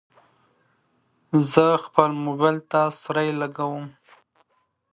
زه خپل موبایل ته سرۍ لګوم.